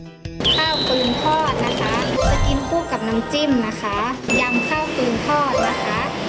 ข้าวปืนทอดนะคะจะกินคู่กับน้ำจิ้มนะคะยำข้าวปืนทอดนะคะ